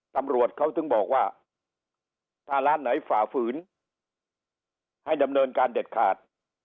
ตำรวจเขาถึงบอกว่าถ้าร้านไหนฝ่าฝืนให้ดำเนินการเด็ดขาด